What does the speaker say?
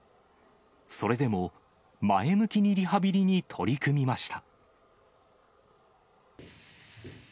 それでも前向きにリハビリに取り組みました。